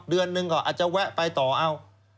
เดือนหนึ่งก็อาจจะแวะไปต่อเอา